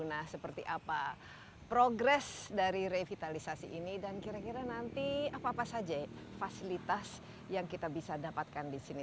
nah seperti apa progres dari revitalisasi ini dan kira kira nanti apa apa saja fasilitas yang kita bisa dapatkan di sini